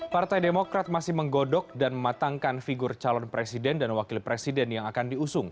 partai demokrat masih menggodok dan mematangkan figur calon presiden dan wakil presiden yang akan diusung